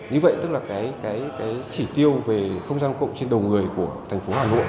như vậy tức là cái chỉ tiêu về không gian công cộng trên đầu người của thành phố hà nội